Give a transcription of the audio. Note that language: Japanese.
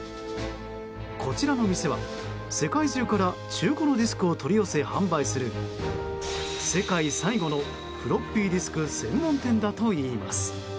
こちらの店は、世界中から中古のディスクを取り寄せ販売する世界最後のフロッピーディスク専門店だといいます。